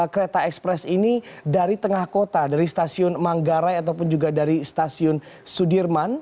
kereta ekspres ini dari tengah kota dari stasiun manggarai ataupun juga dari stasiun sudirman